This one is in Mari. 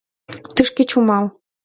Тышке чумал!»